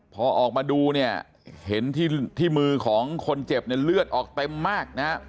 พอออกมาดูเนี่ยเห็นที่มือของคนเจ็บเนี่ยเลือดออกเต็มมากนะครับ